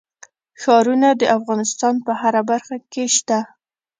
ښارونه د افغانستان په هره برخه کې شته.